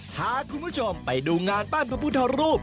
พาคุณผู้ชมไปดูงานปั้นพระพุทธรูป